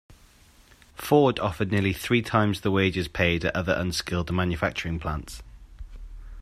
Ford offered nearly three times the wages paid at other unskilled manufacturing plants.